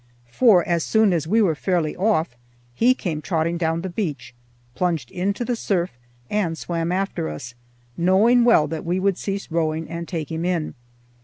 For as soon as we were fairly off he came trotting down the beach, plunged into the surf, and swam after us, knowing well that we would cease rowing and take him in.